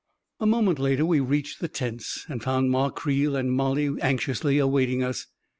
9 A moment later we reached the tents, and found Ma Creel and Mollie anxiously awaiting us.